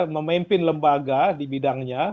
memimpin lembaga di bidangnya